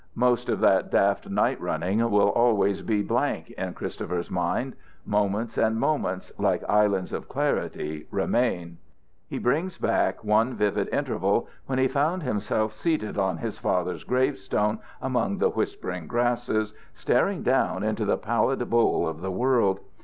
Most of that daft night running will always be blank in Christopher's mind; moments and moments, like islands of clarity, remain. He brings back one vivid interval when he found himself seated on his father's gravestone among the whispering grasses, staring down into the pallid bowl of the world.